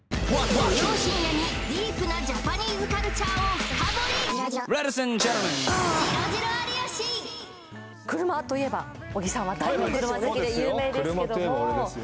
土曜深夜にディープなジャパニーズカルチャーを深掘り車といえば小木さんは大の車好きで有名ですけども車といえば俺ですよ